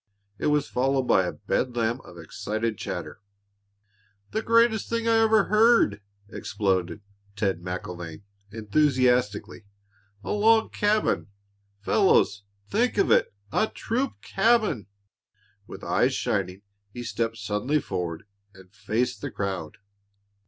It was followed by a bedlam of excited chatter. "The greatest thing I ever heard!" exploded Ted MacIlvaine, enthusiastically. "A log cabin, fellows think of it! A troop cabin!" With eyes shining, he stepped suddenly forward and faced the crowd.